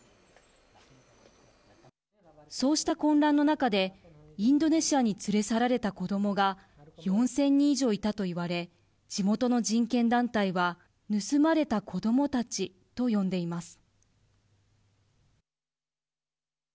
そうした混乱の中でインドネシアに連れ去られた子どもが４０００人以上いたといわれ地元の人権団体は盗まれた子どもたちと呼んでいます。